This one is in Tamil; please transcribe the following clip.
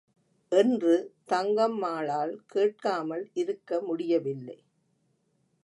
என்று தங்கம்மாளால் கேட்காமல் இருக்க முடியவில்லை.